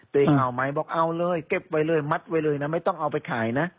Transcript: ตัวเองเอาไหมบอกเอาเลยเก็บไว้เลยมัดไว้เลยนะไม่ต้องเอาไปขายนะ